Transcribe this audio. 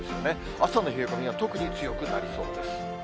朝の冷え込みが特に強くなりそうです。